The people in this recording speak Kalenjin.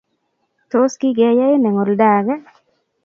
Tos kigeyain eng oldaage?